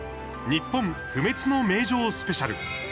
「ニッポン不滅の名城スペシャル」。